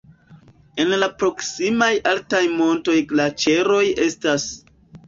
En la proksimaj altaj montoj glaĉeroj estas.